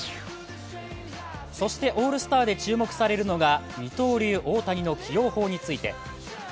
そしてオールスターで注目されるのが二刀流・大谷の起用法について。